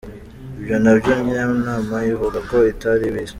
Ibyo na byo Njyanama ivuga ko itari ibizi.